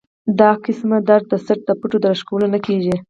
دا قسمه درد د څټ د پټو د راښکلو نه کيږي